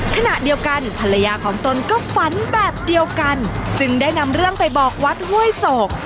ขณะเดียวกันภรรยาของตนก็ฝันแบบเดียวกันจึงได้นำเรื่องไปบอกวัดห้วยโศก